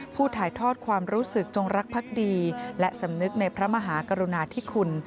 ถ่ายทอดความรู้สึกจงรักภักดีและสำนึกในพระมหากรุณาธิคุณ